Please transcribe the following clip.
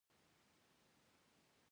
ادبي استعداد باید وهڅول سي.